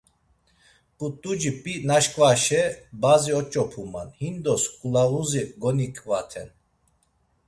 P̌ut̆uci p̌i naşǩvaşe bazi oç̌opuman, hindos ǩulağuzi goniǩvaten.